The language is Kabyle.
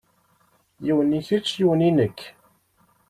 Yiwen i kečč yiwen i nekk.